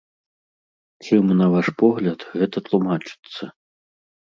Чым, на ваш погляд, гэта тлумачыцца?